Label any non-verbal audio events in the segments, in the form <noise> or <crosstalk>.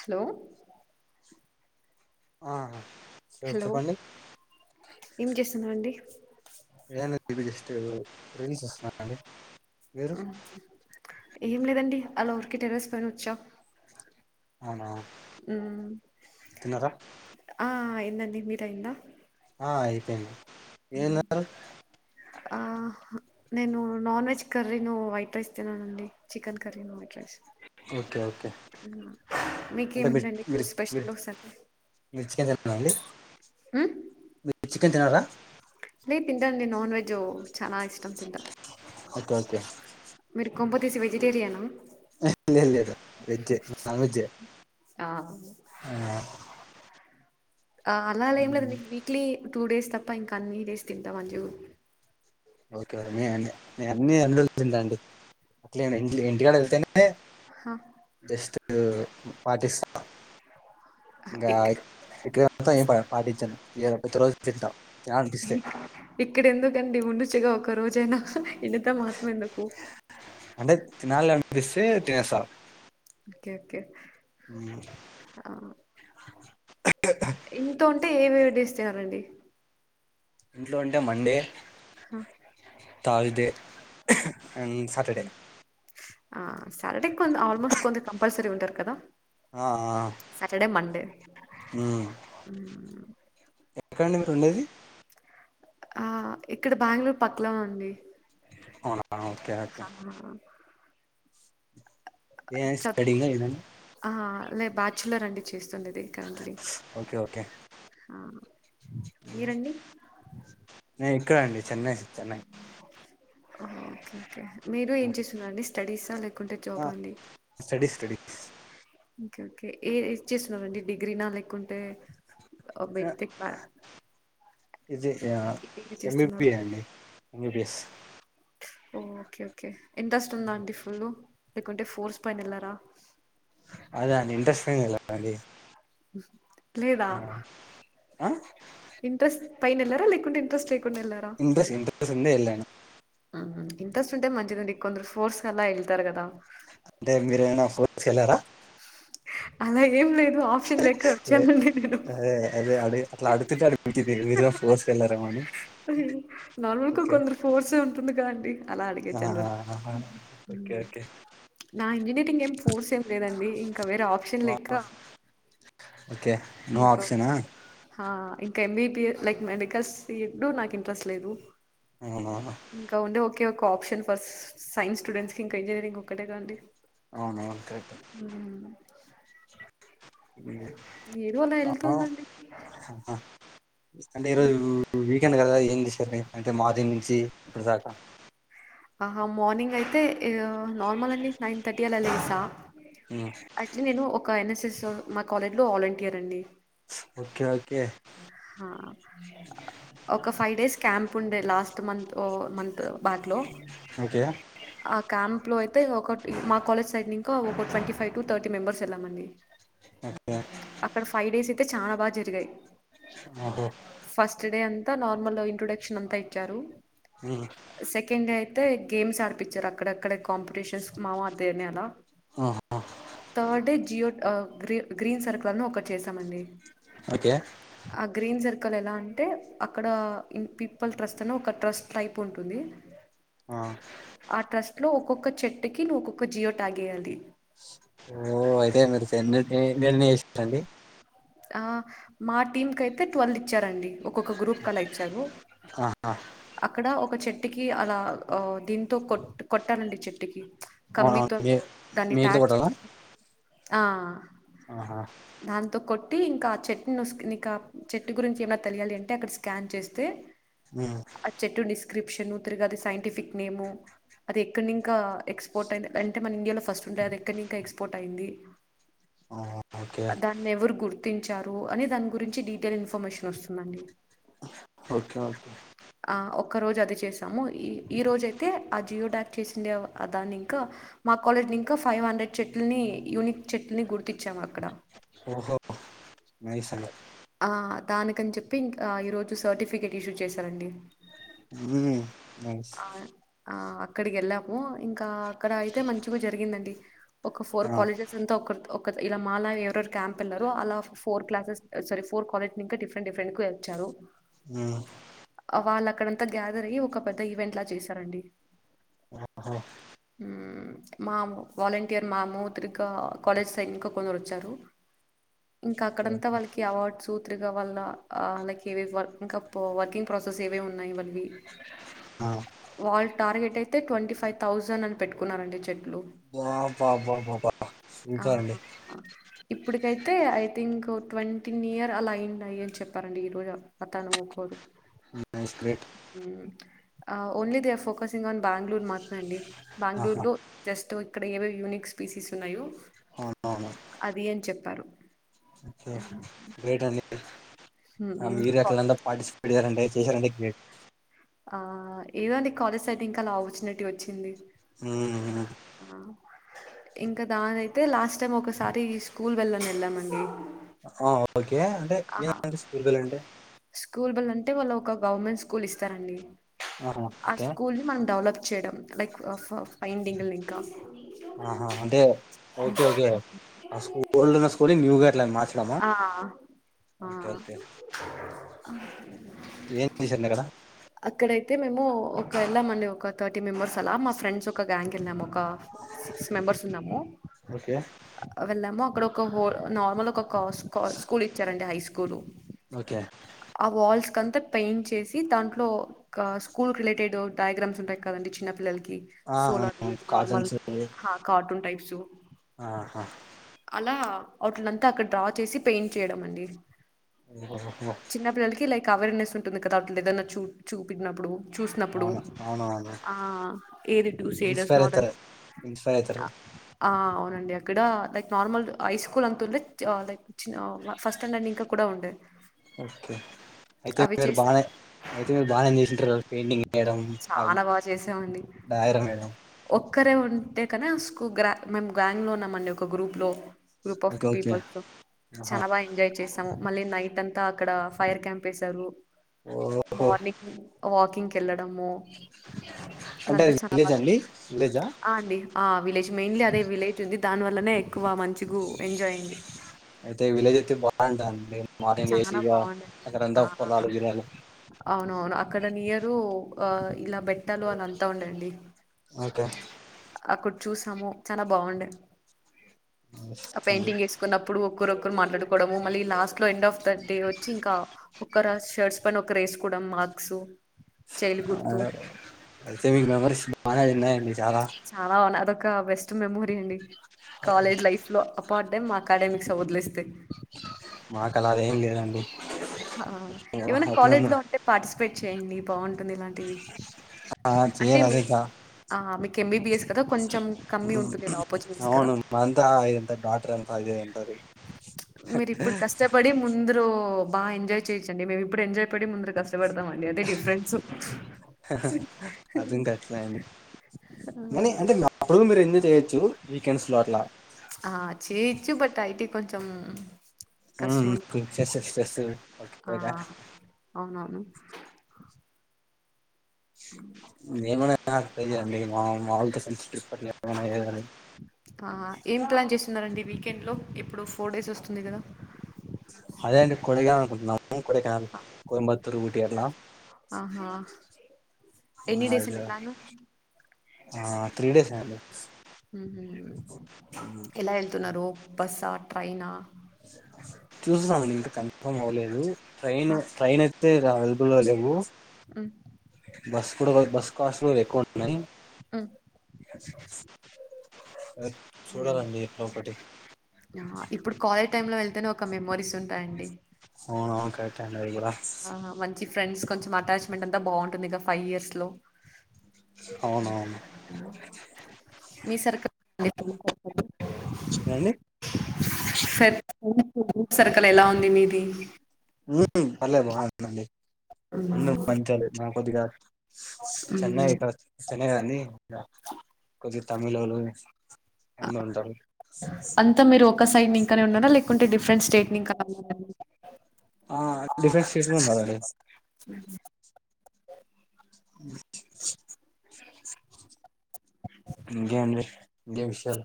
Hello ఆ sir hello చెప్పండి ఏం చేస్తున్నారండి ఏ నిబి ఇష్ట్ గ బోవ్ ఆ ఏం లేదండి అలాఊరికి టరస్ పైన ఒచ్చా అవునా ఊ తిన్నారా ఆ అయిందండి మీదయింద ఆ అయిపోయింది ఊ ఏం ఆ నేను నాన్ వెజ్ కర్రీను వైట్ రైస్ తిననండి చికెన్ కర్రీను వైట్ రైస్ ఓకే ఓకే అంటే మిర్ మీకేమిటండి మిర్ మిర్ స్పెషల్ సండే మిర్చే కదా అండి మి చికెన్ తినరా నే తింటాండి నాన్ వెజు చాలా ఇష్టం తింటా ఓకే ఓకే మీర్ కొంపదీసి వెజిటేరియనా ఎ లేద్ లేదు వెజె నాన్ వెజ్జే ఆ ఆ ఆ అలాలేం లేద్ మ్మ్. వీక్లీ టూ డేస్ తప్ప ఇంక అన్ని డేస్ తింటా మంజి ఓకే అన్ని అందా అండి అట్ ఇ ఇంటికాడ ఎళ్తేనే హ జస్ట్ పాటిస్తాం ఇంకా ఇక్ ఇక్కడ ఏంత పడా పాటించను ఇ ప్రతి రోజు తింట తినాల్ అనిపిస్తే ఇక్కడెందుకండి ఉను గా ఒక ఒక రోజైనా ఇనిత మాత్రమ్ ఎందుకూ తినాళ్ అన్పిస్తె తినేస్సా ఒకె ఒకే అ ఇంతుం టే ఏమిడివిస్తారండి ఇంట్లో అంటే మండే హ! థార్స్డె ఆ సాటర్డే ఆల్మోస్ట్ కొ కంపల్సరి ఉంటార్ కదా ఆ ఆ సాటర్డే మండే మ్మ్ ఎక్కడండి మీరు ఉండేది ఆ ఇక్కడ బాంగ్ళూర్ పక్లన అండి అవునా ఓకే ఓకే ఆ! ఏడిగా ఏద <inaudible> బ్యాచులర్ అండి చేస్త్ ఓకే ఓకే ఆ! మీరండి? ఇక్కడ అండి చెన్నై చెన్నై ఓకే ఓకే మీరు ఏం చేస్తున్నారండి స్టడీస్ ఉంటే ఆ జాపండి స్టడీస్ స్టడీస్ ఓకే ఓకే ఏ చేస్తున్నారండి డిగ్రీ నా లేకుంటే <inaudible> ఇది ఆ చేస్తున్నారు ఎంబీబిఏ అండి ఎంబీబిఎస్ ఓఓకే ఓకే ఇంట్రస్ట్ ఉందా అండి ఫుల్ కుంటే ఫోర్స్ పైనల్లారా అదా నె ఇంట్రెస్ట్ మీదె ఎల్లాన్ అే ఆ లేదా ఆ ఇంట్రెస్ట్ పైన ఎలరా లేకుంటె ఇంట్రెస్ట్ లేకుండా వెళ్ళారా ఇంట్రెస్ట్ ఇంట్రెస్ట్ ఉండి ఎల్లను ఇంట్రెస్ట్ ఉంటే మంచిదిండి కొందరు ఫోర్స్ గా అలా వెళ్తారు కదా అంటే మీరేమనా ఫోర్స్ గా వెళ్ళారా అలాగే <inaudible> నలుకి ఓకే కొందరు ఫోర్స ఉంటుంది క అండి అలా ఆ అడిగేచ్చను ఓకే ఓకే నా ఇంజనీరింగ్ ఏం ఫోర్స్ ఏమి లేదండి ఇంకా వేరే ఆప్షన్ ఆ లెక్క ఓకే నో ఆప్షన్ ఆ హా ఇంకా ఎంబీబి లైక్ మెడికల్స్ ఇడు నాకు ఇంట్రెస్ట్ లేదు అవునవును ఓకే ఒక ఆప్షన్ ఫర్ సైన్స్ స్టూడెంట్స్ క ఇంకా ఇంజనీరింగ్ ఒక్కటేగాండి అవును అవును కరెక్ట్ ఏదో అలా ఆ వెళ్తుందండి అంటే ఈరోజు వీకెండ్ కదా అంటే మాదిన్ నుంచి ఇప్పుడు దాకా ఆహా మార్నింగ్ అయితే నార్మల్ అని నైన్ థర్టీ అలా లేసా ఉమ్. అట్లే నేను ఒక ఎన్ఎస్ఎస్ సో మా కాలేజ్లో వాలంటీయర్ అండి ఓకే ఓకే ఒక ఫైవ్ డేస్ క్యాంప్ ఉండే లాస్ట్ మంత్ ఓ మంత్ బ్యాక్లో ఓకే ఆ క్యాంప్ లో అయితే ఒక మా కాలేజ్ సైడ్ ఇంకా ఒక twenty five to thirty members వెళ్లామండి ఓకే అక్కడ ఫైవ్ డేస్ ఇయితే చానా బాగా జరిగాయి ఓహో ఫస్ట్ డే అంతా నార్మల్ ఇంట్రొడక్షన్ అంతా ఇచ్చారు ఉమ్. సెకెండ్ డే అయి గేమ్స్ ఆడు పిచర్ అక్కడెక్కడ కాంపిటీషన్స్ కి ఆహా. థర్డ్ డే గ్రీ గ్రీన్ సర్కుల్ అని ఒకటి చేసామండి ఓకే క్కన ఎలా అంటే అక్కడ ఇన్ పీపుల్ ట్రస్ట్ అనే ఒక ట్రస్ట్ టైప్ ఉంటుంది. ఆ ఆ ట్రస్ట్ లో ఒక్కొక్క చెట్టు కి నువ్ ఒక్కొక్క జియో ట్యాగేయాలి. ఓ అయితే మీరు సెన్నిటె మిరెన్ని చేసారండి. ఆ మా టీం కైయితే ట్వుల్ ఇచ్చారండి. ఒక్కొక్క గ్రూప్ కలా ఇచ్చారు, అక్కడ ఒక చెట్ ట్టికి అలా ఆ దీంతో కొట్ కొట్టాలండి చెట్టికి అవునవును కమ్మీతో మీ దాన్ని ట్యా మీకు చేచి ఆ ఆహా అంతొ కొ ట్టి ఇంకా ఆచెట్ట్నొస్ నిక చెట్టు గురించి ఏమ్నా తెలియాలి అంటే అక్కడ స్కాన్ చేస్తే అ చెట్టు నిస్ క్రిప్షన్ తిరగది సైంటిఫిక్ నేము, అది ఎక్కనింకా ఎక్స్పోర్ట్ అయిందె అంటె మన ఇండియలొ ఫస్టుంటదె అది ఎక్కన్నింక ఎక్స్ పోట్ అయింది. ఓకే దాన్ని ఎవరు గు ర్తించారు అని దాని గురించి డీటెయిల్స్ ఫమేషన్ వస్తుందండి. ఓకే ఓకే ఆ ఒక్కరోజు అది చేసాము, ఇ ఈరోజైతే ఆ జియో డాక్ చేసిండేవ్, ఆ దాన్నింకా మా కాలేజ్ నింక ఫైవ్ హండ్రెడ్ చెట్లని యూని చెట్టుని గుర్తిచ్చాం అక్కడ నైసండి. ఆ దానికని చెప్పి ఇంక ఈరోజు సర్టిఫికేట్ ఇషు చేశారండి. ఉ, నైస్ మో, ఇం కా అక్కడ అయితే మంచివ జరిగిందండి. ఒక ఫోర్ ఆ, కాలేజెస్ అంతా ఒకర్ ఒక్క ద్ ఇలా మాల ఒవరొర్ క్యాం పెల్లరు అలా <unintelligible> ఫోర్ క్లాసెస్ అ సరీ ఫోర్ కాలెట్ నింక డిఫ్రెండిఫ్రెంన్ కు <unintelligible> ఉ అ వాళ్ళు అక్కడంతా గ్యాదర్ అయ్యి ఒక పెద్ద ఈవెంట్ లా చేశారండి. ఆ హా హు, మా వాలంటీయర్ మా మూత్రిక కాలేజ్ సైడ్ నింక కొందరు వచ్చారు. ఇంకా ఓకే అక్కడంతా ఓకే వాళ్ళకి అవార్డ్స్ త్రిక వలన ఆ లై ఇవివ్ వర్క్ ఇంకా పొ వర్కింగ్ ప్రొసెస్ ఏవేవ్ ఉన్నాయ్ వన్వి, ఆ, వాళ్ టార్ గెటె తే ట్వంటీ ఫై్థౌజండ్ అని పెట్టుకున్నరు అండి చె బా బా బా బా బా సూపరండి ఇప్పుడ్ ఇ అయితే ఐ థింక్ ట్వంటీన్ ఇయర్ అలా ఐఇన్టాయ్ అని చెప్పారండి ఈ రోజు అతాను ఒకడు స్క్రిట్ only they are focusing on Bangalore మ ండి ఆహా బెంగళూరులో జస్ట్ వ అక్కడ ఏవీ ఏవీ యూనిక్ స్పీసెస్ ఉన్నాయో అదిేం చెప్ప ప్పారు ఒకే గ్రేట్ అండి మీరు ఎక్కలంతా పార్టిసిపేట్ చేసారా చేశారంటే గ్రేట్ ఆ ఏద అండి కాలేజ్ సైటింగ్ కా అలా ఆపర్చునిటీ వచ్చింది హమ్ ఇంకా దానియితే లాస్ట్ టైమ్ ఒకసారి ఈ స్కూల్ వెళ్ళ నిెల్మడి ఆ ఓకే అంటే ఏ స్కూల్ బెల్ అంటే కుులిస్ చరండి ఆహా ఆ ఓకే స్కూల్ మనం డావల చేయడం లైక్ ఫైండింగ్లు ఇంకా ఆహా అంటే ఓకే ఓకే ఆ స్కూల్ ఓల్డ్ ఉన్న స్కూల్ న్యూగా మా ఆ ఆ ఆహ్ ఏం చేశారు న కడ అయితే మేము ఒక వెళ్ళామండి ఒక థర్ ర్టీ మెంబర్స్ అలా మా ఫ్రెంస్ ఒక బ్యాంక్ ఏళ్ళాం ఆ ఒక సిక్స్ మెంబర్స్ ఉన్నాము ఓకే వెళ్ళాము అక్కడ ఒక హోల్ నార్మల్ ఒక స్కూల్ ఇచ్చారండి హై స్కూల్ ఓకే ఆ వాల్స్ ంతా పెయింట్ చేసి దాంట్లో క్క స్కూల్ రిలేటెడ్ డయాగ్రామ్స్ ఉంటాయి కదండి చిన్న పిల్లల కి ఆ సో అలాంటివి అవునవును నార్మల్ కాటన్స్ కా కార్టూన్ టైప్ చు ఆహా అలా వాట్లంతా అక్కడ డ్రా చేసి పెయింట్ చేయడం అండి ఓహోహో చిన్న పిల్లలకి లై అవేర్నెస్ ఉంటుంది కదా అట్టి ఏదన్నా చూ చూపటినప్పుడు చూసినప్పుడు అవును అవునవును ఏది టూ సేడర్స్ ఇన్స్పైర్ నాట్న్ అయితారు ఇన్స్పైర్ అయితారు ఆ అవునండి అక్కడ లైక్ నార్మల్ ఐస్కూల్ అంతుడే లైక్ చి ఫస్ట్ స్టాండర్డ్ ఇంకా కూడా ఉండే ఓకే అయితే అవి మీరు బాగానే చేసినప్పుడు అయితే మీరు బానే చేసుంటారు పెయింటింగ్ వేయడం చాలా బాగా చేసామండి డయాగ్రం వేయడం ఒక్కరే ఉంటే కానీ స్కు గ్రా మేము గ్యాంగ్లో ఉన్నామండి ఒక గ్రూప్లో గ్రూప్ ఆఫ్ ఓకే పిప్ ఓకే ఆహా చాలా బా ఎంజాయ్ చేసాము మళ్ళీ నైట్ అంత అంత అక్కడ ఫైర్ క్యాంప్ వేసారు ఓహో మార్నింగ్ వాకింగ్ కెల్ అమో అంటే అంత అది చ బా విలేజ్ అండి విలేజా అండి ఆ విలేజ్ మెయిన్లీ అదే విలేజ్ ఉంది దాని వల్లనే ఎక్కువ మంచిగు ఎంజాయ్ అయింది అయితే విలేజ్ అయితే బాగుంటాదండీ చానా బాగుంది ఆ పొలాలు గిలాలు అవునవును అక్కడ నియరు ఆ ఇలా బెట్ పట్టలు అని అంతా ఉండండి ఓకే ఆ కు చూసాము చాలా బాగుండే నైస్ ఆ అండి పెయింటింగ్ వేసుకున్నప్పుడు ఒకొక్కరు మాట్లాడుకోవడం మళ్ళీ లాస్ట్ అట్లో ఎండ్ ఆఫ్ ద డే వచ్చి ఇంకా ఒకక్క షర్ట్స్ పని ఒకరుేసుకోవడం మాార్క్స్ అయితే మీకు మెమరీస్ బాగా ఉన్నాయండి చాలా ఇకా బెస్ట్ మెమోరీ అండి కాలేజ్ లైఫ్ లో అప్పడే మా అకాడమిక్స్ వదిలేస్తే మాకు అలా ఏం లేదండి హా ఏమైనా ఒక కాలేజ్ మేము- లో ఉంటే పార్టిసిపేట్ చేయండి బాగుంటుంది ఇలాంటివి ఆ అంటే చేయాలి అదే మీరు ఇక ఆ మీకు ఎంబీబిఎస్ కద కొంచం అవును అంతా ఇంత డాక్టర్ అంత ఏదైంటాది బా ఎంజాయ్ చేయచ్చండి మేమ్ ఏప్పుడు ఎంజా య్ పడి ముందరికోస్ పడతామ్ అండి అది డిఫరెన్సు అది ఇంకా ఎట్లా అండి కానీ అంటే అప్పుడు మీరు ఎంజాయ్ చేయొచ్చు వీకెండ్స్ లో అట్లా హా చేయిచ్చి బట్ ఐ కొంచం ఉమ్ కో ఆ <unintelligible> <inaudible> అవునవును మేమన్నా నాకు తెలియాలీ మా మా వాళ్ళతో సెన్సిటిప్ పని ఏమైన్నా వీకెండ్లో ఇప్పుడు ఫోర్ డేస్ వస్తుంది కదా అదే అండి కొడిగనల్ కొడై కెనాల్ కోయమ్బత్తూరు ఊటి అట్లా ఆహా ఎన్ని డేస్ అది ఉంది ప్లాను త్రీ డేస్ ఏ అండి హ ఉమ్, ఎలా వెళ్తున్నారు బస్సా పైన చూస్తున్నాాము ఇంక కన్ఫర్మ్ అవలేదు ట్రెయిన్ హా, ట్రెయిన్ ఎత్తే రాల్ మ్, <unintelligible> బస్ కూడా బస్కు అస్వే కొన్నా ఉం ఆ, చూడాలండి ఎట్లా ఒకటి ఇప్పుడు కాలేజ్ టైమ్ లో వెళ్ అని ఒక మెమోరీస్ ఉంటాయండి అవునవును కరెక్ట్ఏ అండి ఇగ ఆ మంచి ఫ్రెండ్స్ కొంచెం అటాచ్మెంట్ అంతా బాగుంటుంది ఇక ఫైవ్ ఇయర్స్ లో అవునవును మీ సర్క అండి అ అండి ఫ్రెండ్ గ్రూప్ సర్కల్ ఎలా ఉంది మీది ఏం పర్లేదు బాగుందండి మ్మ్ అందు మంచోలేన కొద్దిగా చెన్నై ఇక అయినాగని కొద్దిగా తమిలోళ్ళు అందరు ఉంటారు క సైడ్ నింకానే ఉన్నారా లేకుంటే డిఫరెంట్ స్టేట్ ని ఇంకా ఉన్నారా ఆ డిఫరెంట్ స్టేట్ కూడా ఉన్నారండీ అ అ ఇంగేంది ఇంకేం విషయాలు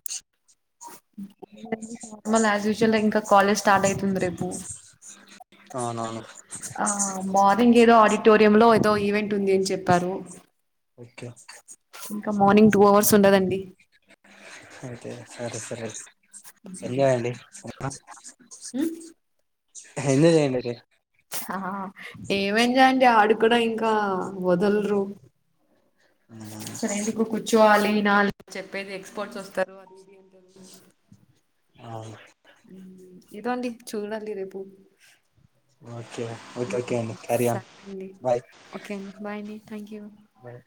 ల్ ఆస్ యూస్వల్ ఇంకా కాలేజ్ స్టార్ట్ అయితుంది రేపు అవునవును ఇంగేదో ఆడిటోరియంలో ఏదో ఈవెంట్ ఉంది అని చెప్పారు ఓకే ఇంకా మార్నింగ్ టూ అవర్స్ ఉండదండి అంతే సరే సరే ఎంజాయ్ అండి మ్ ఎంలే దేంలేద్ లే ఆ ఏమైందండీ ఆడు కూడా ఇంకా వదలరు ఉమ్, సరేందుకు ఒ కూర్చోవాలి నా చెప్పేది ఎక్స్పర్ట్స్ ఒస్తారు అది అంటరు ఆవును ఇదుగోండి చూడండి రేపూ ఓకే ఓకే ఓకే అండి క్యారీ ఆన్ సరే అండి బాయ్ ఓకే అండి బాయ్ అండి థ్యాంక్ యూ బాయ్